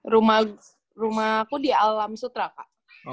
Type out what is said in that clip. rumah aku di alam sutra kak